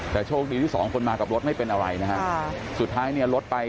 แต่โชคดีที่สองคนมากับรถไม่เป็นอะไรนะฮะสุดท้ายเนี่ยรถไป